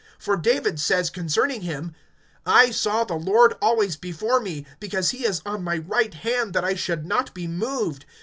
(25)For David says concerning him: I saw the Lord always before me; Because he is on my right hand, that I should not be moved.